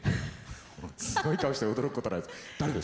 すごい顔して驚くことない誰ですか？